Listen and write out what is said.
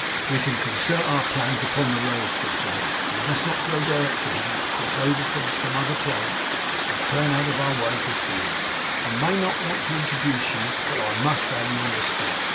'We can concert our plans upon the road,' said Jonas. 'We must not go direct to him, but cross over from some other place, and turn out of our way to see him. I may not want to introduce you, but I must have you on the spot.